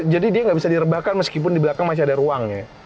jadi dia gak bisa direbakkan meskipun di belakang masih ada ruangnya